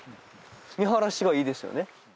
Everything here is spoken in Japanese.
見晴らしがいいですよね。